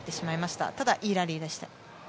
ただ、いいラリーでした。